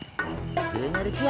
kita nyari sumpah